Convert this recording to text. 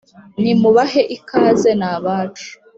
nimubahe ikaze ni abacu